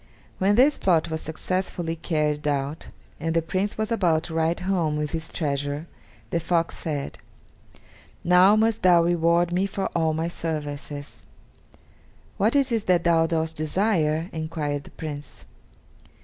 When this plot was successfully carried out, and the Prince was about to ride home with his treasure, the fox said, "Now must thou reward me for all my services." "What is it that thou dost desire?" enquired the Prince.